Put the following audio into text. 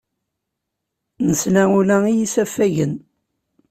Nesla ula i yisafagen.